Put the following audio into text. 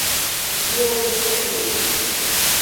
İyi olduğuna emin misin?